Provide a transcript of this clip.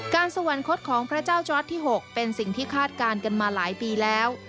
สวรรคตของพระเจ้าจล็อตที่๖เป็นสิ่งที่คาดการณ์กันมาหลายปีแล้ว